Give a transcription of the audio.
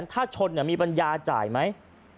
ถ้าชนมีปัญญาจ่ายไหม